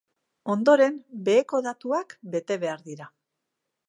Ondoren beheko datuak bete behar dira.